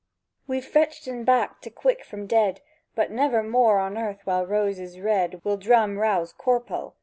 "We've fetched en back to quick from dead; But never more on earth while rose is red Will drum rouse Corpel!"